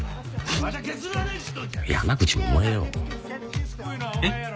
山口百恵よ。えっ？